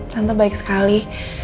tante baik sekali